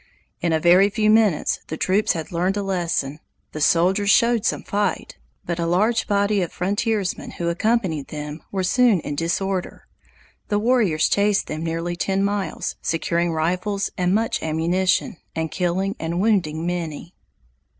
In a very few minutes the troops had learned a lesson. The soldiers showed some fight, but a large body of frontiersmen who accompanied them were soon in disorder. The warriors chased them nearly ten miles, securing rifles and much ammunition, and killing and wounding many.